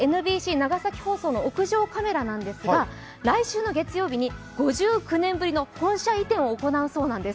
長崎放送の屋上カメラなんですが来週の月曜日に５９年ぶりの本社移転を行うそうなんです。